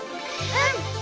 うん。